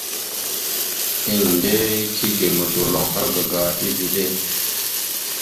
Endena kige modorloŋ argaga eveɗe.